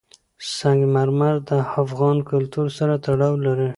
سنگ مرمر د افغان کلتور سره تړاو لري.